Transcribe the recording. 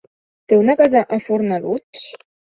Té una casa a Fornalutx.